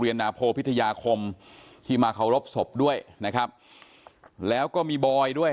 นาโพพิทยาคมที่มาเคารพศพด้วยนะครับแล้วก็มีบอยด้วย